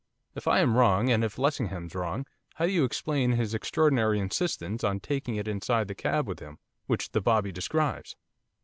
If I am wrong, and if Lessingham's wrong, how do you explain his extraordinary insistence on taking it inside the cab with him, which the bobby describes?